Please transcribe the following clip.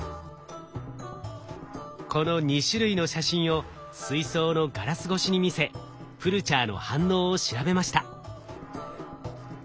この２種類の写真を水槽のガラス越しに見せプルチャーの反応を調べました。